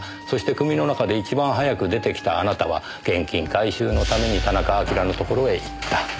そして組の中で一番早く出てきたあなたは現金回収のために田中晶のところへ行った。